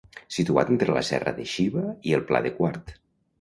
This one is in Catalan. Situat entre la serra de Xiva i el Pla de Quart.